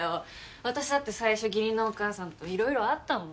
私だって最初義理のお母さんと色々あったもん。